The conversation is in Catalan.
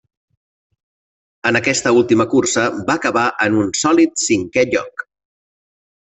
En aquesta última cursa, va acabar en un sòlid cinquè lloc.